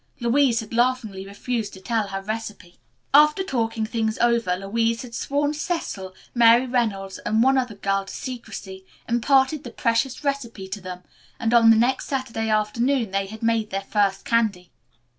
Louise had laughingly refused to tell her recipe. After talking things over Louise had sworn Cecil, Mary Reynolds and one other girl to secrecy, imparted the precious recipe to them, and on the next Saturday afternoon they had made their first candy.